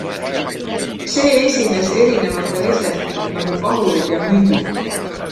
See esines erinevatel esemetel nagu kahurid ja mündid.